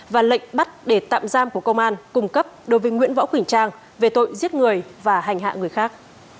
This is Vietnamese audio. và lệnh bắt để tạm giam của công an cung cấp đối với nguyễn võ quỳnh trang về tội giết người và hành hạ người khác